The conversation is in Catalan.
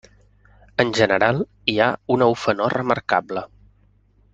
En general, hi ha una ufanor remarcable.